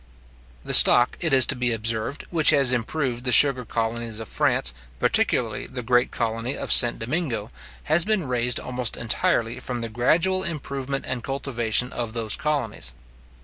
The stock, it is to be observed, which has improved the sugar colonies of France, particularly the great colony of St Domingo, has been raised almost entirely from the gradual improvement and cultivation of those colonies.